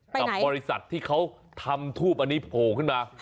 กับบริษัทที่เขาทำทูปอันนี้โผล่ขึ้นมา